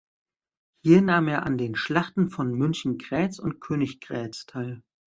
Hier nahm er an den Schlachten von Münchengrätz und Königgrätz teil.